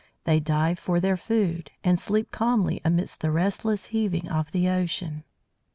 They dive for their food, and sleep calmly amidst the restless heaving of the ocean.